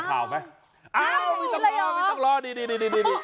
ข่าวไหมอ้าวไม่ต้องรอไม่ต้องรอดิดิดิดิดิดิดิดิ